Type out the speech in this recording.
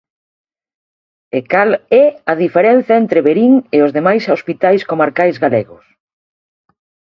¿E cal é a diferenza entre Verín e os demais hospitais comarcais galegos?